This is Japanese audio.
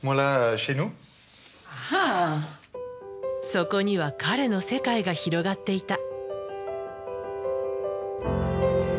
そこには彼の世界が広がっていた。